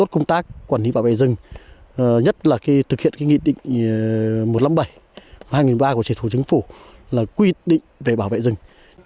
công tác quản lý bảo vệ rừng nhất là thực hiện nghị định một trăm năm mươi bảy hai nghìn ba của chỉ thủ chính phủ là quy định về bảo vệ rừng